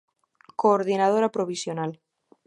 Coordinadora provisional.